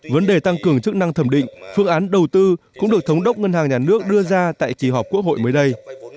vấn đề tăng cường chức năng thẩm định phương án đầu tư cũng được thống đốc ngân hàng nhà nước đưa ra tại kỳ họp quốc hội mới đây